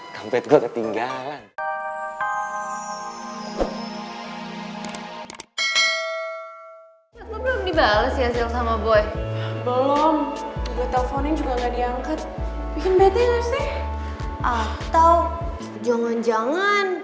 kampet gue ketinggalan